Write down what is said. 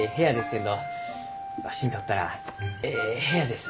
けんどわしにとったらえい部屋です。